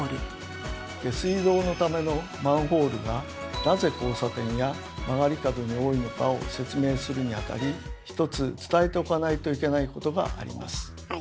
下水道のためのマンホールがなぜ交差点や曲がり角に多いのかを説明するにあたりひとつ伝えておかないといけないことがあります。